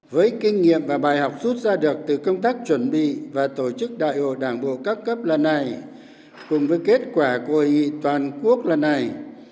với kinh nghiệm và bài học rút ra được từ công tác chuẩn bị và tổ chức đại hội đảng bộ các cấp lần này cùng với kết quả của hội nghị toàn quốc lần này